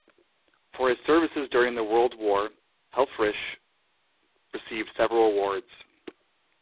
For his services during the World War, Helfrich received several awards.